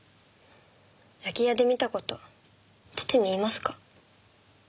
空き家で見た事父に言いますか？